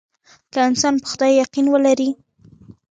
که انسان په خدای يقين ولري.